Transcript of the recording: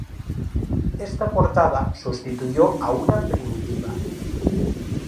Esta portada sustituyó a una primitiva.